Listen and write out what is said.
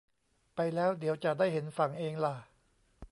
ไปแล้วเดี๋ยวจะได้เห็นฝั่งเองล่ะ